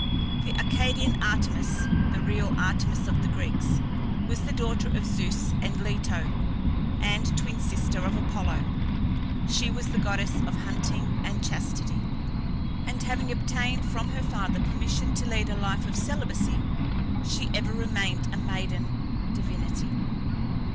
The Arcadian Artemis (the real Artemis of the Greeks) was the daughter of Zeus and Leto, and twin sister of Apollo. She was the goddess of Hunting and Chastity, and having obtained from her father permission to lead a life of celibacy, she ever remained a maiden divinity.